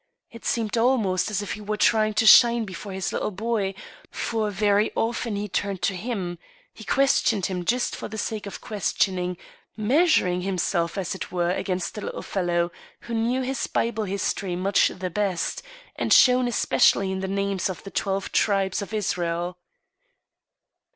It seemed al most as if he were tr>'ing to shine before his little boy, for very often he turned to him ; he questioned him just for the sake of question ing, measuring himself as it were against the little fellow, who knew his Bible history much the best, and shone especially in the names of the twelve tribes of Israel.